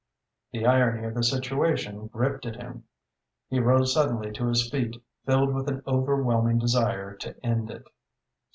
The irony of the situation gripped at him. He rose suddenly to his feet, filled with an overwhelming desire to end it.